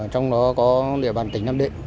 trong đó có địa bàn tỉnh nam định